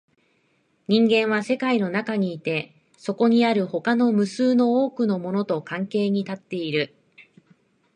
人間は世界の中にいて、そこにある他の無数の多くのものと関係に立っている。